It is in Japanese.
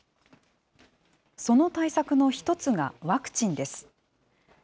その対策の一つがワクチンです。